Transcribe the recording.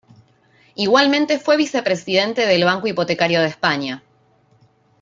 Igualmente fue Vicepresidente del Banco Hipotecario de España.